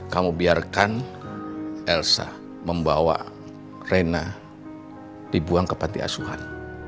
kamu biarkan elsa membawa reina dibuang ke panti asuhan